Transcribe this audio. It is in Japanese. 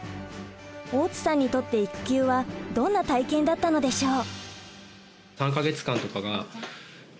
大津さんにとって育休はどんな体験だったのでしょう？